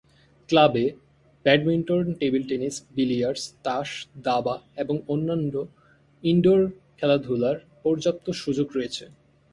ক্লাবে badminton, table tennis, billiard, তাস, দাবা এবং অন্যান্য ইনডোর খেলাধুলার পর্যাপ্ত সুযোগ রয়েছে।